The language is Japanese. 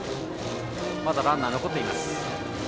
まだランナー残っています。